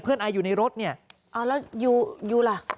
เพื่อนไออยู่ในรถเนี่ยอยู่ล่ะ